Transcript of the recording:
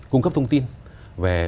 cung cấp thông tin về